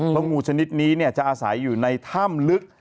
เพราะงูชนิดนี้จะอาศัยอยู่ในถ้ำลึก